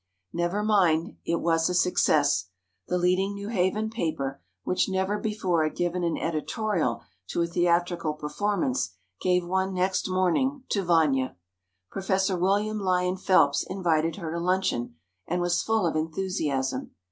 Never mind—it was a success. The leading New Haven paper, which never before had given an editorial to a theatrical performance, gave one next morning, to "Vanya." Professor William Lyon Phelps invited her to luncheon, and was full of enthusiasm.